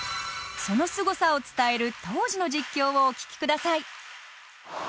そのすごさを伝える当時の実況をお聞きください。